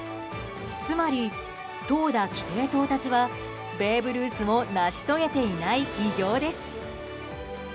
つまり、投打規定到達はベーブ・ルースも成し遂げていない偉業です。